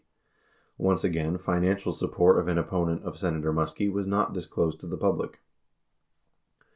68 Once again, financial support of an opponent of Senator Muskie was not disclosed to the public.